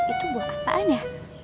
itu buah apaan ya